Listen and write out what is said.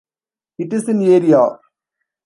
It is in area.